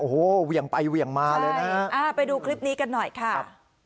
โอ้โหเหวี่ยงไปเหวี่ยงมาเลยนะฮะอ่าไปดูคลิปนี้กันหน่อยค่ะ